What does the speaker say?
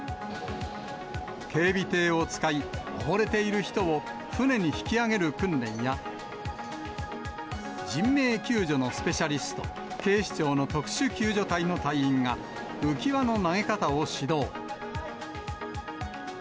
警備艇を使い、溺れている人を船に引き上げる訓練や、人命救助のスペシャリスト、警視庁の特殊救助隊の隊員が、浮き輪の投げ方を指導。